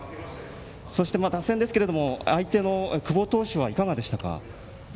そして打線ですが相手の久保投手はいかがでしたか？